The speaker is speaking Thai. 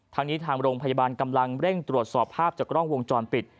ทางนี้ทางโรงพยาบาลกำลังเร่งตรวจสอบภาพจากกล้องวงจรปิด